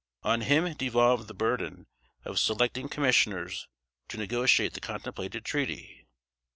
On him devolved the burthen of selecting commissioners to negotiate the contemplated treaty.